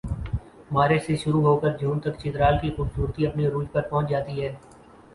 مارچ سے شروع ہوکر جون تک چترال کی خوبصورتی اپنے عروج پر پہنچ جاتی ہے